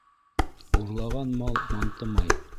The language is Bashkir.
Урлаған мал мантымай.